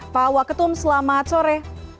pak waketum selamat sore